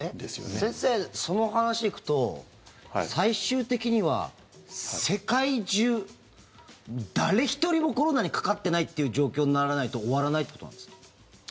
先生、その話で行くと最終的には世界中、誰一人もコロナにかかっていないという状況にならないと終わらないということなんですか？